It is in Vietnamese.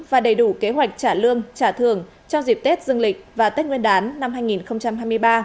và đầy đủ kế hoạch trả lương trả thường trong dịp tết dương lịch và tết nguyên đán năm hai nghìn hai mươi ba